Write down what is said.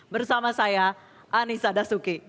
bersama saya anissa dasuki